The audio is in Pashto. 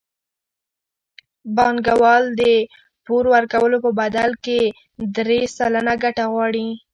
بانکوال د پور ورکولو په بدل کې درې سلنه ګټه غواړي